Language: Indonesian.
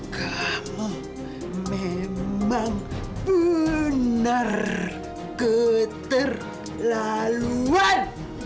kamu memang benar keterlaluan